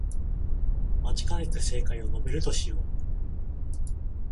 待ちかねた正解を述べるとしよう